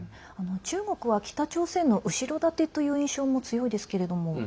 中国は北朝鮮の後ろ盾という印象も強いですけれども。